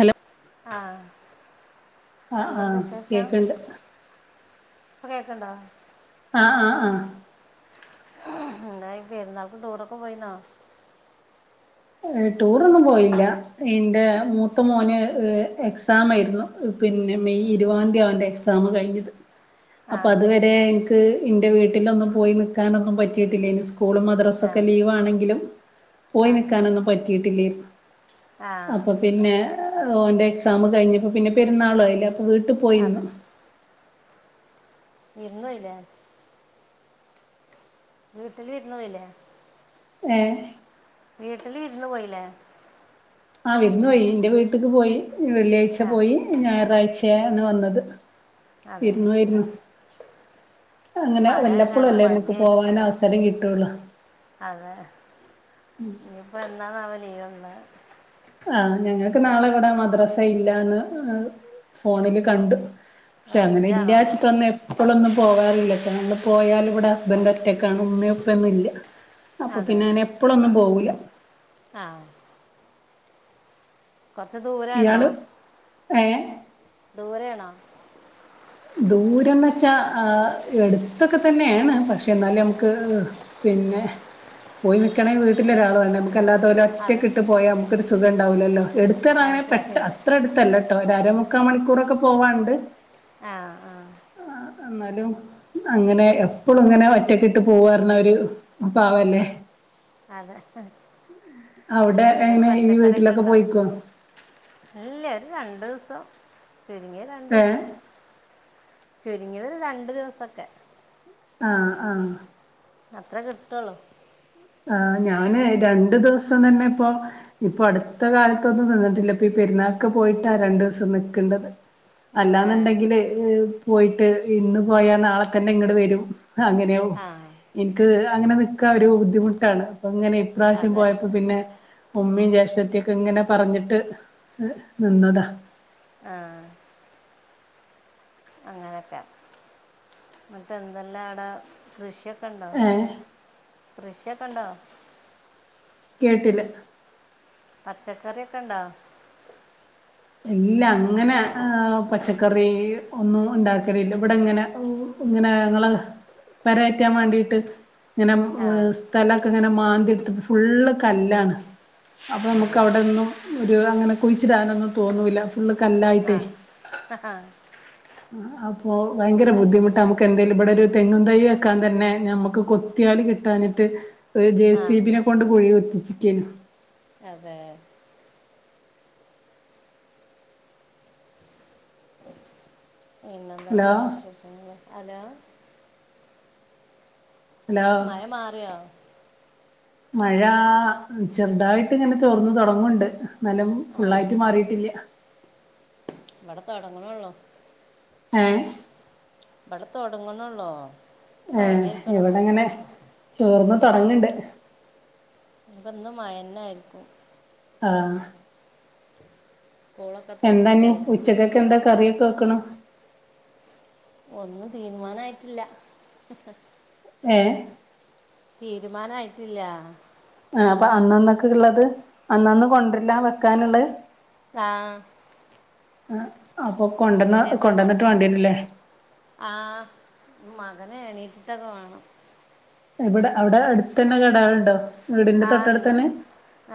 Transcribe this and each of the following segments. Hello ആ ആ ആ എന്തുണ്ട് കേക്കണ്ട് ഇപ്പ കേക്കണ്ടാ ആ ആ ആ ഉം എന്തായി പെരുന്നാൾക്ക് ടൂറൊക്കെ പോയിരുന്നോ ടൂറൊന്നും പോയില്ല എന്റെ മൂത്ത മോന് എക്സാം ആയിരുന്നു പിന്നെ മെയ് ഇരുവാന്തിയാ അവന്റെ എക്സാം കഴിഞ്ഞത് ആ അപ്പൊ അതുവരെ എനിക്ക് എന്റെ വീട്ടിലൊന്നും പോയി നിക്കാനൊന്നും പിറ്റിട്ടില്ല ഇനി കൂളും മദ്രാസ ആ ഒക്കെ ലീവാണെങ്കിലും പോയി നി അതെ ക്കാനെന്നും പറ്റിട്ടില്ലേനി ആ അപ്പൊ പിന്നെ ഓന്റെ എക്സാം കഴിഞ്ഞപ്പോ പിന്നെ പെരുന്നാളും ആയില്ലെ. വീട്ടു പോയിന്നു. വിരുന്നു പോയില്ലേ. വീട്ടില് ഇരുന്നോയില്ലേ. ഏ വീട്ടില് ഇരുന്ന് പോയില്ലേ. ആ വിരുന്ന് പോയി. ഇന്റെ വീട്ട്ക്ക് പോയി. വെള്ളിയാഴ്ച ആ പോയി ഞായറാഴ്ച. [unintelligible] വന്നത്. അതെ ഇരുന്നു പോയിരുന്നു. അങ്ങനെ മഴ ആയ വല്ലപ്പോഴും കാരണം അല്ലേ നമക്ക് പോവാൻ മടിയായിരിക്കില്ലേ അവസരം കിട്ടൂള്ളു. അതെ [unintelligible] ഒന്ന് ആഹ ഞങ്ങൾക്ക് നാളെ ഇവിടെ മദ്രസ ഇല്ലന്ന് ഫോണില് കണ്ടു. പക്ഷെ അങ്ങനെ റേഞ്ചാണോ [unintelligible] എപ്പോഴൊന്നും. പോവാറില്ലട്ടാ നമ്മള് പോയാല് ഇവിടെ ഹസ്ബൻഡ് ഒറ്റക്കാണ് ഉമ്മേഉപ്പേന്നും ഇല്ല. അപ്പൊ അതെ പിന്നെ അങ്ങനെ എപ്പഴൊന്നും പോകൂല. ആ കുറച്ച് ഇയാള് ഏ. ദൂരെ ആണാ. ദൂരന്ന് വെച്ചാ ആ എടുത്തൊക്കെ തന്നെയാണ്. പക്ഷെ എന്നാലും നമുക്ക് പിന്നെ പോയി നിക്കണെ വീട്ടില് ഒരാൾ വേണേ. [unintelligible] അതെ ഒറ്റക്കിട്ട് പോയാ നമുക്കൊരു സുഖ ഉണ്ടാവില്ലല്ലോ. അത് [unintelligible] ശരി പെട്ട ശരി അത്ര എടുത്തല്ലട്ടോ ഒരമു മുക്കാ മണിക്കൂറൊക്കെ പോവാണ്ട്. ആ ആ എന്നാലും അങ്ങനെ എപ്പോഴും ഇങ്ങനെ ഒറ്റക്കിട്ട് പോവാർണവര് പാവല്ലേ. അതെ അവിടെ എന്താ വീടില് എങ്ങനെ ഈ പച്ചക്കറിയൊക്കെ വീട്ടിലൊക്കെ ഉണ്ടോ, പോയിക്കോ ഇല്ല ഒരു രണ്ടു ദിവസം. [unintelligible] ചുരുങ്ങിയ ഏഹ് രണ്ടുസം. ചുരുങ്ങിയത് രണ്ടു ദിവസൊക്കെ. ആ ആഹ. അത്ര കിട്ടുള്ളൂ. ആ ഞാന് രണ്ടു ദിവസം തന്നെ ഇപ്പൊ ഇപ്പൊ അടുത്ത കാലത്തൊന്നും നിന്നിട്ടില്ല. ഇപ്പൊ ഈ പെരുന്നാൾക്ക് പോയിട്ടാ രണ്ടു ദിവസം നിക്കേണ്ടത്. അതെ അല്ലാന്നെണ്ടെങ്കില്. പോയിട്ട് ഇന്ന് പോയാ നാളെ തന്നെ ഇങ്ങട് വരും. അങ്ങനെയോ ആ എനിക്ക് അങ്ങനെ ക്ക ഒരു ബുദ്ധിമു ട്ടാണ് ഇങ്ങനെ ഇപ്രാവശ്യം അതെ പോയപ്പോ പിന്നെ ഉമ്മയും ജേഷ് ചച്ചത്തിക്കെ ഇങ്ങനെ പറഞ്ഞിട്ട് നിന്നതാ ആഹ് അങ്ങനെയൊക്കെ ന്നിട്ട് എന്തല്ലാ അടെ കൃഷിയൊ കണ്ടോ ഏഹ് കൃഷി [unintelligible] കേട്ടില പച്ചക്കറി ഒക്കെ ഉണ്ടോ ഇല്ല അങ്ങനെ ആ പച്ചക്കറി ഒന്നും ഉണ്ടാക്കലില്ല ഇവിടെ ഇങ്ങനെ ഇങ്ങനെ ങ്ങള് പെരയറ്റാൻ വേണ്ടിട്ട് ഇങ്ങനെ ആ സ്ഥലമൊക്കെ ഇങ്ങനെ മ [unintelligible] ഫുള്ള് കല്ലാണ് അപ്പൊ നമുക്ക് അതെ അവിടെന്നും ഒരു അങ്ങനെ കുഴിച്ചിടാനൊന്നും തോന്നൂല്ല ഫുള്ള് ആ കല്ലായിട്ടേ അപ്പൊ ഭയങ്കര അത് ബുദ്ധിമുട്ട് ശരി നമുക്ക് എന്തേലും ഇവിടെ ഒരു തെങ്ങും തൈ വെക്കാൻ തന്നെ ഞമ്മുക്ക് കൊത്തിയാല് കിട്ടാനിട്ട് ഒരു ജേ ആ സീ ബിനെ കൊണ്ട് കുഴി കുത്തിച്ച് കേനു അതേ ഹലോ പിന്നന്തെല്ലാം വിശേഷങ്ങള് ഹലോ മഴ മാറിയോ മഴ ചെറുതായിട്ട് ഇങ്ങനെ തോർന്ന് തുടങ്ങുന്നുണ്ട് നല്ലം ആ ഫുള്ളായിട്ട് മാറിയിട്ടില്ല ഇവിടെ തൊടങ്ങണൊള്ളൂ ഏഹ് ഇവിടെ തോടങ്ങണള്ളോ ഏഹ് എവിടെങ്ങനെ തോർന്ന് തൊടങ്ങ്ണ്ട് ഇപ്പന്ന് മയന്ന ആയിരിക്കും ആ സ്കൂളൊക്കെ എന്തന്ന് തുറക്കല്ല ഉച്ചക്കക്ക് എന്താ കറി തക്കണം ഒന്നും തീരുമാനയിട്ടില്ല ഏ തീരുമാനയിട്ടില്ല ആ അപ്പൊ അന്നന്നൊക്കെ ഉള്ളത് അന്നന്ന കൊണ്ടരലാ വെക്കാനുള്ള ആ ആ അപ്പൊക്കൊണ്ടന്ന വീടേ പോയി കൊണ്ടന്നട്ട് കൊണ്ടുവന്ന വേണ്ടീരൂലേ ങ്ങനെ എണീറ്റ്റ്റക്ക വാണം. എവിടെ അവിടെ അടുത്തന്നെ കടാളുണ്ടോ? വീടിന്റെ ആ ഉണ്ട് തൊട്ടടുത്തന്നെ ഉണ്ട്.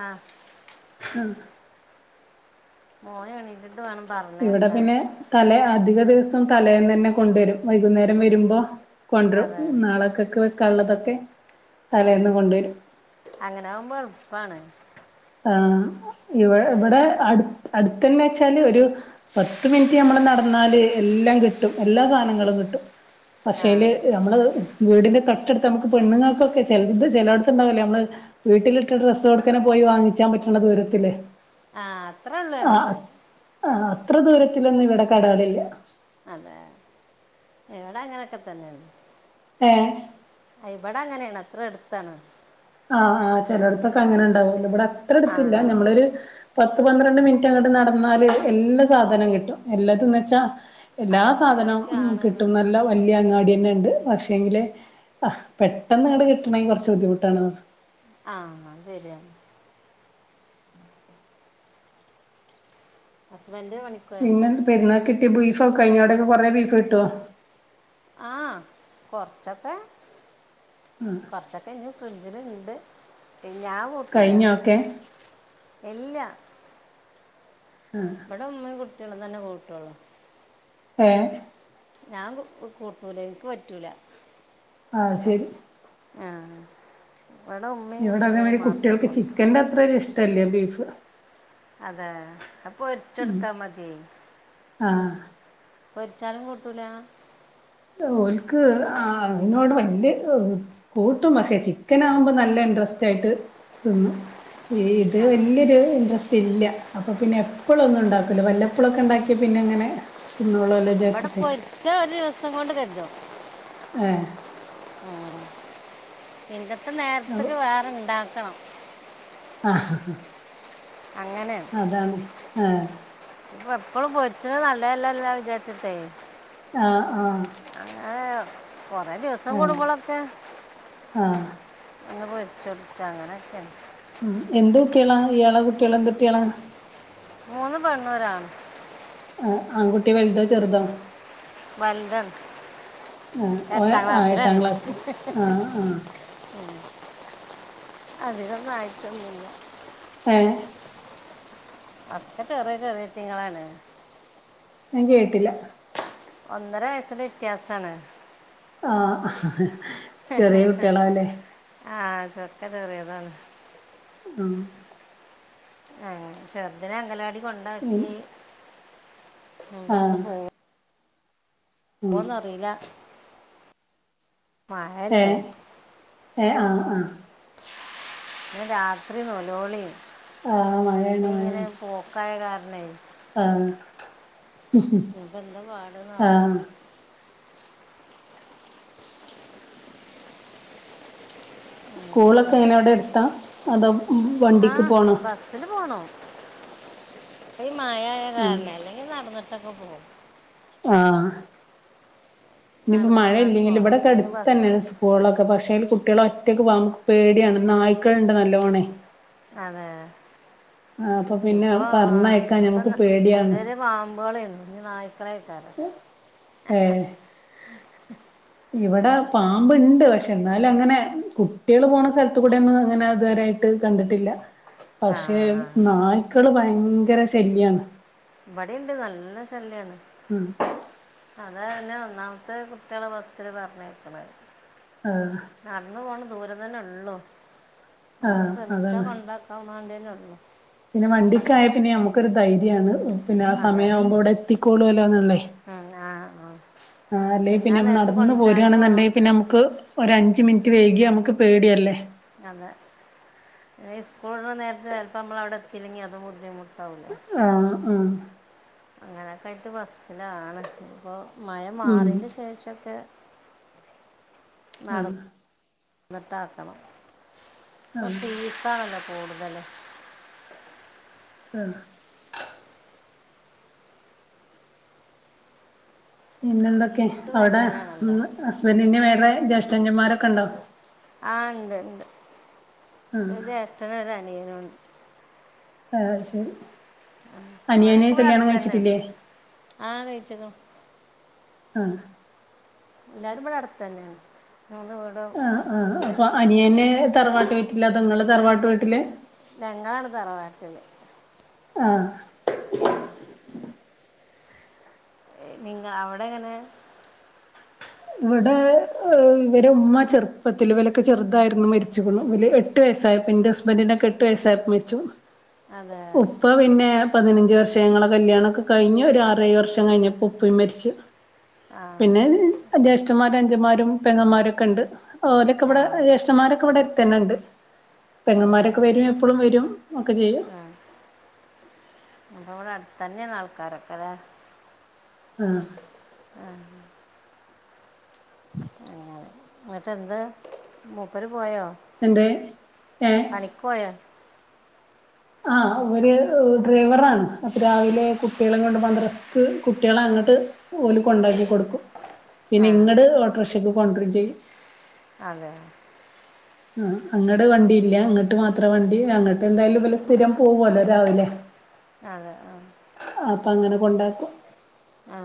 ആ ആഹ് മോനെണീറ്റ്ട്ട് ഇവിടെ പിന്നെ തലയ അധിക ദിവസോം തലേന്നന്നെ കൊണ്ടുവരും വൈകുന്നേരം വരുമ്പോ കൊണ്ട്റും ഹ് നാളക്കൊക്കെ വെക് കള്ളതൊക്കെ ആഹ് അങ്ങനാകുമ്പോ എളുപ്പാണ് ആഹ് ഇവ് വെ ഇബടെ അടുത് അടു കെന്നച്ചാല് ഒരു പത്ത് മിൻറ്റ് നമ്മള് നടന്നാല് എല്ലാം കിട്ടും എല്ലാ സാധനങ്ങളും കിട്ടും ആ പക്ഷേല് ഞമ്മള് ഉം വീടിന്റെ തൊട്ടടുത്ത് നമ്ക് പെണ്ണുങ്ങൾക്കൊക്കെ ചെലത് ചെലോട്ത്തുണ്ടാവല്ലൊ നമ്മള് വീട്ടിലിട്ട ഡ്രസ്സോടുക്കന്നെ പോയി വാങ്ങിക് ച്ചാൻ പറ്റണ ദൂരത്തിലെ ആഹ് അത്രള്ളു അതൊക്കെ ആഹ് അത്ര ദൂരത്തിലൊന്നും ഇവിടെ കടേള്ല്ല അതെ ഇവടങ്ങനെക്കെ തന്നേണ് ഏഹ് ഇബടങ്ങനേണ് അത്ര എട്ത്താണ് ആഹ് ആഹ് ചെലോട്ട്‌ത്തൊക്കെ അങ്ങനെ ഉണ്ടാവോലോ ഇബട അത്ര ആ അടുത്തില്ല ഞമ്മളൊരു പത് പത്ത് പന്ത്രണ്ട് മിൻറ്റ് അങ്ങട്ട് നടന്നാല് എല്ല സാധനം കിട്ടും എല്ലതും ന്നവെച്ചാ എല്ലാ അത് സാധനോം ഉം അത്യാവശ്യമാണ് കിട്ടും നല്ല വല്ല്യ അങ്ങാടിയന്നെണ്ട് പക്ഷെങ്കില് അഹ് പെട്ടെന്നങ്ങട് കിട്ടണെങ്കി കുറച്ച് ബുദ്ധിമുട്ടാണ് ന് ആഹ് അഹ് ശരിയാണ് [inaudible] അസ് പിന്നെന്ത്‌ പെരുന്നാക്കിട്ടിപ്പൊയി ഒ കയ്യാടെല് [unintelligible] കെ റെ ബീഫ് കിട്ടോ ആഹ് കൊറച്ചൊക്കെ കൊറച്ചൊക്കെഞ്ഞും ഫ്രിഡ്ജിലിണ്ട് ഞാൻ കൂട്ടൂല കഴിഞ്ഞോ ഒക്കെ ഇല്ല്യ ബ്ടഉമ്മേം കുട്ട് ട്ട്യോളും തന്നെ കൂട്ടൊള്ളു ഏഹ് ഞാൻ [unintelligible] കു കൂട്ടൂല എൻക്ക് പറ്റൂല അഹ് സരി ആഹ് ഇവിടെ അത മാരി കുട്ടികൾക്ക് ചിക്കൻന്റെ അത്രെ ഒരു ഇഷ് ട്ടല്ല ബീഫ് അതേ അപ്പൊരിച്ചെടുത്താ മതി ആഹ് പൊരി ചാലും കൂട്ടൂല ഓൾക്ക് ആ അയിനോട് വല്യ ഈഹ് കൂട്ടും പക്ഷെ ചിക്കനാവുമ്പോ നല്ല ഇൻ്ററെസ്റ്റ് ആയിട്ട് തിന്നും ഇത് ആ വല്യയൊരു ഇൻട്രസ് റ്റില്ല അപ്പൊ പിന്നെ എപ്പളൊന്നും ഉണ്ടാക്കല്ല വല്ലപ്പളൊക്കെ ഉണ്ടാക്കിയ പിന്നെ എങ്ങനെ ഇവടെ പൊരിച്ച ഒരുവസം കൊണ്ട് ക [unintelligible] ആഹ് ആ പിന്നെ ഇപ്പം നേർത്തക്ക് വേറെ ഇണ്ടാക്കണം ആഹഹ അങ്ങനെയാണ് അതാണ് ആ ഇപ്പൊ എപ്പളും പൊരിച്ചത് നല്ലയല്ലലോ വിചാരിച്ചിട്ടേ ആ ആ കൊറെ ദിവസം കൂടുമ്പോളൊക്കെ ആഹ് അങ്ങ്പൊരി [unintelligible] ഉം എന്തുട്ട്യാളാ ഇയാളെ കുട്ട്യാള് എന്തുട്ട്യാളാ മൂന്ന് പെണ്ണും ഒരാണും ആ ആൺകുട്ടി വെൽതോ ചെറുതൊ വലുതാണ് ആഹ് ഓൻ എട്ടാം ആഹ് എട്ടാം ക്ലാസിലാണ് ക്ലാസ് ആഹ് ആഹ് അധികൊന്നും ആയിട്ടൊന്നുല്ല ഏഹ് അതൊക്കെ ചെറിയ ചെറീറ്റങ്ങളാണ് ഞാൻ കേട്ടില ഒന്നര വയസ്സിന്റെ വിത്യാസാണ് ആ ആതൊക്കെ ചെറിയതാണ് ആഹ് ആ ചേർതിനെ അങ്കലാടി ഉം കൊണ്ടാക്കി മ് ബൊന്ന് ആഹ് പോവും ഉം പോന്നറീല മഴല്ലെ ഏ ആഹ് ആഹ് ഇന്നലെ രാത്രി ന്നൊലോള്യേനി ആഹ് മഴേണ് മഴേണ്. ന്നെ. ആഹ്. ഇപ്പ എന്താ വാട്ണാവോ? ആഹ് സ്കൂളൊക്കെ അങ്ങനെയൊക്കെയാണ് ഇങ്ങെടെ ട്ത്താ അതോ ഉം ആ വണ്ടിക്ക് പോണോ? [unintelligible] മഴായേ ആഹ് കാരണെ അല്ലെങ്കി നടന്ന്ട്ടൊക [unintelligible] ആഹ് ഇനിയിപ്പൊ നടന്നുകാണ്ട് മഴയില്ലെങ്കിലും പോകണം ഇബടെക്കെ അല്ലെങ്കിൽ ബസ് അട്ത്തെന്നെണ് സ്ക്കൂളൊക്കെ പക്ഷെ അയ്ല് കു ട്ട്യള് ഒറ്റക്ക് പോവാൻ പേട്യാണ് നായ്ക്കള്ണ്ട് നല്ലോണെ അതെ അപ്പൊ പിന്നെ ഇപ്പൊ ആഹ് പറഞ്ഞയക്കാൻ ഇപ്പം ഞമ്മക്ക് പേടിയാണ് അതെരെ പാമ്പ്കളെയ്ന്നു ഇഞ് നായ്ക്കളെ യ്‌ക്കാരം ഇവടെ പാമ്പ്ണ്ട് പക്ഷെ എന്നാലങ്ങനെ കുട്ട്യേള് പോണ സ്ഥലത്ത് കൂടെ ഒന്നും അങ്ങനെ ഇതുവരെ യായിട്ട് കണ്ടിട്ടില്ല. ആ പക്ഷെ ആ. നായ്ക്കള് ഭയങ്ക് ങ്കര ശല്യാണ്. ഇവടിണ്ട് നല്ല ശല്യാണ്. ഉം അതെന്നെ ഒന്നാമത്തെ കുട്ട്യെ ളെ ബസ്സില് പർഞ്ഞയ്ക്ക് ണെ. നടന്ന് പോണം ദൂരം തന്നെ ഒള്ളൂ നമ്മള് ആഹ് ശ്രമിച്ചാ അതാണ് കൊണ്ടാക്കാം മാണ്ടി ഇജ്ജ് നടന്നോ പിന്നെ വണ്ടിക്കായാൽ പിന്നെ നമുക്കൊരു ധൈര്യാണ് പിന്നെ ആ അതെ സമയാവുമ്പോ ഇവിടെ എത്തിക്കോളൂലോന്നുള്ളേ ഉം, ആ ആ. ആ അല്ലെങ്കിൽ ആ പിന്നെ നേരത്തെ നടന്ന് കൊണ്ടുവരാനും പോകണം പോരുവാണെന്നുണ്ടെങ്കി പിന്നെ നമുക്ക് ഒരു അഞ്ച് മി നിറ്റ് വൈകിയാ നമുക്ക് പേടിയല്ലേ അതെ ഈ സ്കൂള് വിടണ നേരത്ത് ചെലപ്പം അമ്മള് അവിടെ എത്തില്ലെങ്കി അതും ബുദ്ധിമു ആഹ് ആഹ് കുറെയൊക്കെ ആയിട്ട് ബസ്സിലാണ് ഇപ്പോ മഴ ഉം മാറിയേൻ്റെ ശേഷവൊക്കെ ആ എന്നിട്ടാക്കണം ഇപ്പോ ഫീസാണല്ലോ കൂട്തൽ ആ പിന്നെന്തൊക്കെ ഫീസ് അവിടെ ഭയങ്കരമാണല്ലോ ഹസ്ബൻറിന് വേറെ ജേഷ്ട അഞ്ചമാരൊക്കെ ഉണ്ടോ ആ ഇണ്ട് ഇണ്ട് ആഹ് ഒരു ജ്യേഷ്ഠന് അനിയനുംണ്ട് ആ ശരി അനിയന് ഓലൊക്കെ ഇവിടെ കല്യാണം അട്ത്തെന്നെ കഴിച്ചിട്ടില്ലേ ആണ് ആ കയിച്ചിണ് ആ എല്ലാരും ഇപടെ അട്ത്ത്ന്നെണ് ആ ആ അപ്പൊ അനിയെന് തറവാട്ട് വീട്ടില അതൊ ങ്ങള് തറവാട്ട് വീ ഞങ്ങളാണ് തറവാട്ടില് ആഹ് ആ നിങ്ങ അവിടെ എങ്ങനെ ഇവിടെ ഇവരെ ഉമ്മ ചെറുപ്പത്തിൽ വിലൊക്കെ ചെറുതായിരുന്നു മരിച്ചു എട്ട് വയസ്സായപ്പോ ന്റെ ഹസ്ബന്റിന് ഒക്കെ എട്ട് വയസായപ്പോ മര്ച്ചു അതെ ഉപ്പ പിന്നെ പതിനഞ്ച് വർ ഷയങ്ങളെ കല്യാണ ഒക്കെ കഴിഞ്ഞ ഒരു ആറേഴ് വർഷം കഴിഞ്ഞപ്പോ ഉപ്പയിം മരിച്ച് ആ പിന്നെത് മാരും അഞ്ചന്മാരും പെങ്ങന്മാരൊക്കെ ഇണ്ട് ഓരൊക്കെ ആ ഇവടെ ജേഷ്മാരൊക്കെവിടെ ത്തെന്നെണ്ട് അതെ പെങ്ങന്മാരൊക്കെ വരും എപ്പളും വരും ഒക്കെ ചെയ്യും ഉം. തന്നെ നാൾക്കാരൊക്കെലേ ആ ആ ഏ എന്നിട്ട് എന്ത് മൂപ്പര് പോയോ എന്തേ ഏ പണിക്കൊയൊ ആ ഇവര് ഡ്രൈവറാണ് അപ്പൊ രാവിലെ കുട്ടികളെ കൊണ്ട് മദ്രസ്സ്ക്ക് കുട്ടിളെ അങ്ങട്ട് ഓല് കൊണ്ടാക്കി കൊട്ക്കും ആ പിന്നെ ഇങ്ങടെ ഓട്രോക്ഷ ക്ക് കൊണ്ട്റും ചെയ്യും അതെ ആ അങ്ങടെ വണ്ടി ഇല്ല ഇങ്ങട്ട് മാത്രം വണ്ടി അങ്ങട്ട് എന്തായാലും വല് സ്ഥിരം പോവല്ലോ രാവിലെ ആ ഉണ്ടാക്കും ആ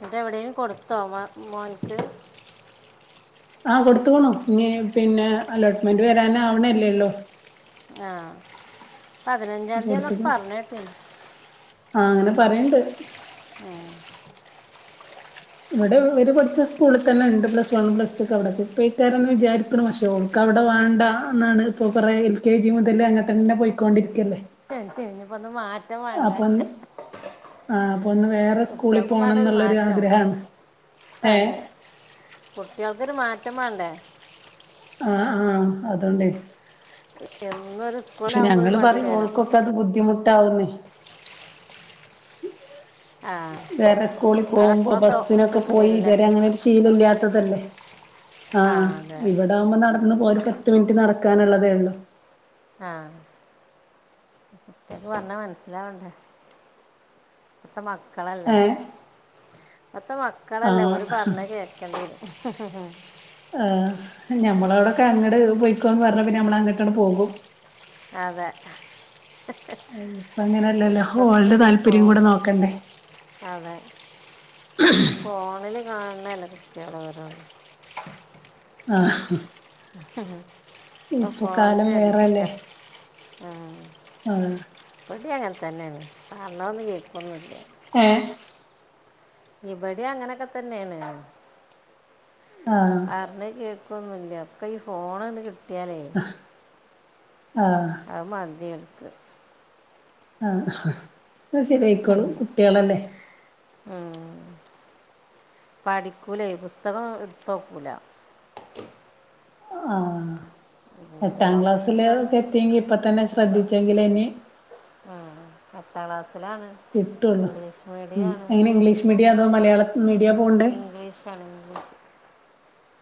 എന്നിട്ട് എവിടെയോ കൊടുത്തോ മോനക്ക് ആഹ കൊടുത്തു ക്കു ണു ഇനി പിന്നെ അലോട്ട്മെന്റ് വരാൻ ആവണെ ല്ല ള്ളൂ ആ പതിനഞ്ചാം തീ ആ ന്നെക്കെ പറഞ്ഞുകേട്ടീന്നു ആഹ അങ്ങനെ പറയിണ്ട് [unintelligible] ഇവിടെ ഒരു കൊച്ച് സ്കൂൾ ല് തന്നെ ണ്ട് പ്ലസ് വൺ പ്ലസ് ടുക്കെ അവിടെ പോയിക്കാരെ ന്ന് വിചാരിക്കുന്നു പക്ഷേ ഓൾക് അവിടെ വാ ണ്ട ന്നാണ് ഇപ്പൊ കൊറെ എൽ കെ ജി മുതല് അങ്കട്ടന്നെ പോയിക്കൊണ്ടിരിക്കല്ലേ [unintelligible] റ്റം വാണ്ട ആ ഒന്ന് വേറെ സ്കൂളിൽ പോണംന്നുള്ളരു മാറ്റം ആഗ്രഹാണ് ഏ ന്തൊരു മാറ്റം വാ ണ്ടേ ആ ആ അതൊണ്ടെ എന്നൊരു സ്കൂൾ ആവു മ്പോ ഒരു മടി ഓൾക്കൊക്കെ അത് [unintelligible] ആ വേറെ സ്കൂളി ആ പോവു മ്പോ സ്കൂളൊക്കെ ഒട്ടും ബസ്സിനൊക്കെ കൂടി പോയി വരില്ലേ ഇതുവരെ അങ്ങനെ ഒരു ശീലല്ലാ അതന്നെ ആ ആഹ അതെ അതെ ഇവിടെ ആവുമ്പോ നടന്നു പത്ത് മിനിറ്റ് നടക്കാനുള്ളതേയുള്ളൂ ആഹ കുട്യാൾക് പറഞ്ഞാ മനസ്സിലാവണ്ടേ പ്പത്തെ മക്കളല്ലേ ഏഹ് പ്പ ത്തെ മക്കളല്ലേ ആഹ് ഓല് പറഞ്ഞ ത് കേൾക്ക ണ്ടെരും ആ നമ്മളവിടൊക്കെ അങ്ട് പൊയ്ക്കോന്ന് പറഞ്ഞ പിന്നെ ഞമ്മള് അങ്ക് ട്ടൻഡ് പോവും അതെ ഇപ്പ അങ്ങനെയല്ലല്ലോ ഇപ്പത്തെ ഓൾടെ ഈ താല്പര്യം ഫോൺ കൂടെ നോക്കണ്ടേ അതെ ഫോണിൽ [unintelligible] ആഹ് ഓ ഇപ്പൊ കാലം ഫോണിന്റെ അഡിക്റ്റാ വേറെല്ലേ ഉം ആഹ് ഇവടിം അങ്ങൻ തന്നെണ് പറഞ്ഞാ ഒന്നും കേക്കൊന്നൂല്ല ഏ ഇവടേം അങ്ങനെക്കെ തന്നെണ് ആഹ് പർ ഞ്ഞാ കേക്കോ ക്കുന്നില്ലാ ഒക്കെ ഈ ഫോണ ണ്ട് കി ടിയാലേ ആഹ് ആ വ് മതി [inaudible] ആഹ കെ ശരിയായിക്കോളും കുട്ട്യാ ളല്ലേ പഠിക്കൂലൈ പുസ്തകം എടുത്തോ ക്കൂല പത്താം ക്ലാസ്സിലൊ അവസിട്ടാണ് ക്കെ എത്തിയെങ്കി ഇപ്പൊ തന്നെ ശ്രദ്ധിച്ചെങ്കിലെ ഇനി പത്താം ക്ലാസ്സിലാണ് കിട്ടുള്ളു ഇംഗ്ലീഷ് മ് മീഡിയമാണ് എങ്ങനെ ഇംഗ്ലീഷ് മീഡിയ അതോ മലയാള മീഡിയ പോണ്ടേ ഇംഗ്ലീഷാണ് ഇംഗ്ലീഷ്